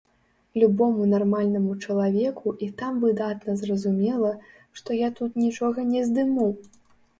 Любому нармальнаму чалавеку і там выдатна зразумела, што я тут нічога не здыму!